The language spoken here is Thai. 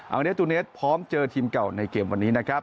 อังกฤษตูเนสพร้อมเจอทีมเก่าในเกมวันนี้